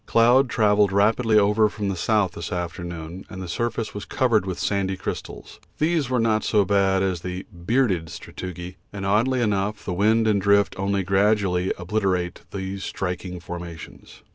Cloud travelled rapidly over from the south this afternoon, and the surface was covered with sandy crystals; these were not so bad as the 'bearded' sastrugi, and oddly enough the wind and drift only gradually obliterate these striking formations.